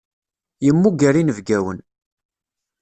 Yemmuger inebgawen.